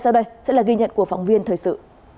sau đây sẽ là ghi nhận của phóng viên thời sự